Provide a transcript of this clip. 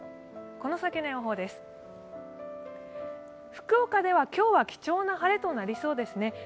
この先の予報です、福岡では今日は貴重な晴れとなりそうですね。